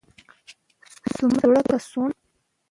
څومره, څوړه، کڅوړه